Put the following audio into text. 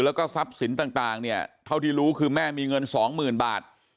แล้วก็ทรัพย์สินต่างเนี่ยเท่าที่รู้คือแม่มีเงิน๒๐๐๐บาท